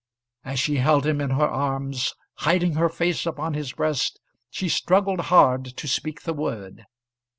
As she held him in her arms, hiding her face upon his breast, she struggled hard to speak the word.